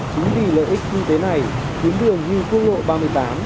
chính vì lợi ích kinh tế này tuyến đường đi quốc lộ ba mươi tám